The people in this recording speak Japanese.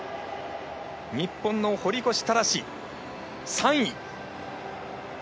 日本の堀越信司、３位。